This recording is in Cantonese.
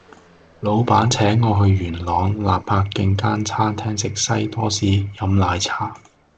老闆請我去元朗納柏徑間餐廳食西多士飲奶茶